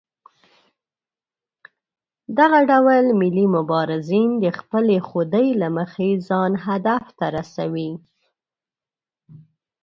دغه ډول ملي مبارزین د خپلې خودۍ له مخې ځان هدف ته رسوي.